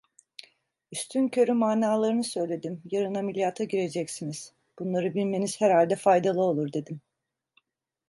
Üstünkörü manalarını söyledim, "Yarın ameliyata gireceksiniz, bunları bilmeniz herhalde faydalı olur!" dedim.